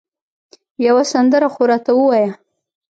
یوه سندره خو راته ووایه